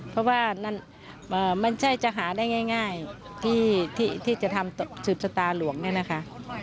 เพราะว่ามันใช่จะหาได้ง่ายที่จะทำสุสตาหลวงได้นะคะ